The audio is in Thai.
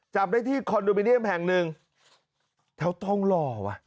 จับได้ที่คอนโดมิเนียมแห่งหนึ่งแถวทองหล่อว่ะ